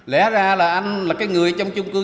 lẽ ra là anh là cái người trong chung cư